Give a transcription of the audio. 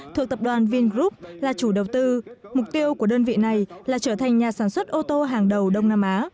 thuộc tập đoàn vingroup là chủ đầu tư mục tiêu của đơn vị này là trở thành nhà sản xuất ô tô hàng đầu đông nam á